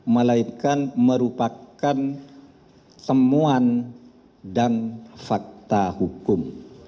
melainkan merupakan temuan dan fakta hukum